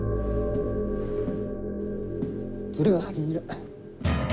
連れが先にいる。